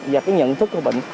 và cái nhận thức của bệnh